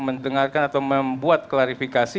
mendengarkan atau membuat klarifikasi